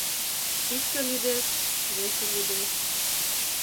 Икте лӱдеш, весе лӱдеш...